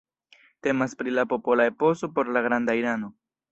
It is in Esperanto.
Temas pri la popola eposo por la Granda Irano.